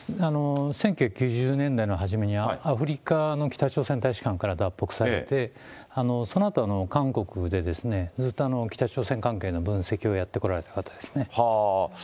１９９０年代の初めに、アフリカの北朝鮮大使館から脱北されて、そのあと韓国で、ずっと北朝鮮関係の分析をやってこられた方ですね。